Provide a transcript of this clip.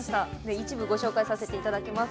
一部、ご紹介させていただきます。